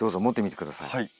はい。